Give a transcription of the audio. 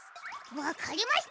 わかりました！